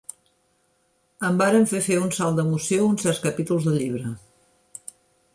Em varen fer fer un salt d'emoció uns certs capítols del llibre.